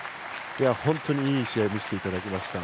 本当にいい試合を見せていただきました。